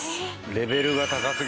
レベルが高すぎて。